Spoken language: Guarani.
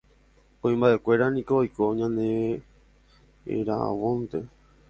Kuimba'ekuéra niko oiko ñanera'ãvonte